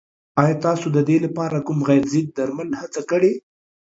ایا تاسو د دې لپاره کوم غیر ضد درمل هڅه کړې؟